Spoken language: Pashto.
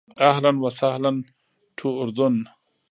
اهلاً و سهلاً ټو اردن.